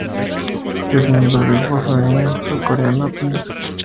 Es miembro del grupo femenino surcoreano A Pink.